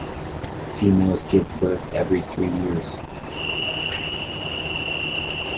Females give birth every three years.